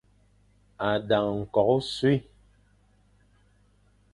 A dang nkok, ochuin.